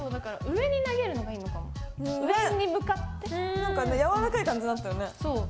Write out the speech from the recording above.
なんかねやわらかい感じだったよね。